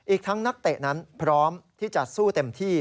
อีกทั้งนักเตะนั้นพร้อมที่จะสู้เต็มที่